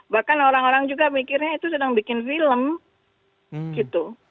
bahkan orang orang juga mikirnya itu sedang bikin film gitu